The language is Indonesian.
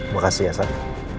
makasih ya sayang